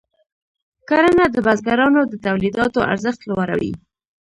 کرنه د بزګرانو د تولیداتو ارزښت لوړوي.